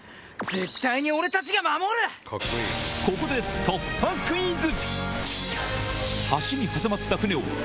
ここで突破クイズ！